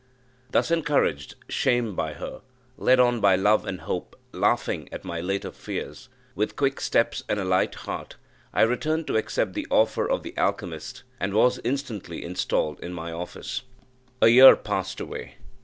Thus encouraged shamed by her led on by love and hope, laughing at my later fears, with quick steps and a light heart, I returned to accept the offers of the alchymist, and was instantly installed in my office. A year passed away.